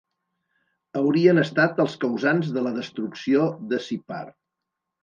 Haurien estat els causants de la destrucció de Sippar.